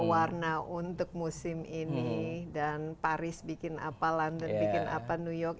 warna untuk musim ini dan paris bikin apa london bikin apa new york